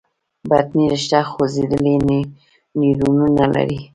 بطني رشته خوځېدونکي نیورونونه لري.